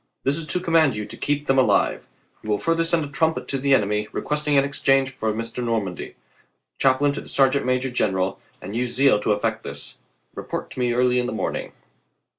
This Is to command you to keep them alive. You will further send 3. trumpet to the enemy, requesting an exchange for Mr. Normandy, chaplain to the sergeant major general, and use zeal to effect this. Report to me early in the morn ing.